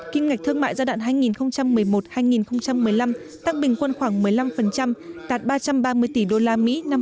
kim ngạch thương mại giai đoạn hai nghìn một mươi một hai nghìn một mươi năm tăng bình quân khoảng một mươi năm tạt ba trăm ba mươi tỷ đô la mỹ năm hai nghìn một mươi năm